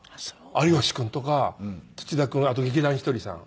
有吉君とか土田君あと劇団ひとりさん。